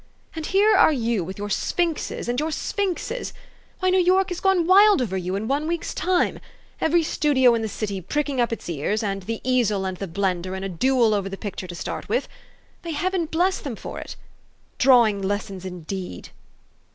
And here are you with your sphinxes and your sphinxes why, New York has gone wild over you in one week's time ! Every studio in the city pricking up its ears, and ' The Easel ' and ' The Blender ' in a duel over the picture to start with. May Heaven bless them for it ! Drawing lessons, indeed